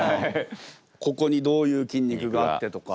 ここにどういう筋肉があってとか。